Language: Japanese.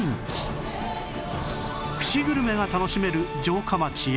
串グルメが楽しめる城下町や